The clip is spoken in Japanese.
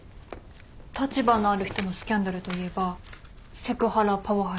立場のある人のスキャンダルといえばセクハラパワハラ。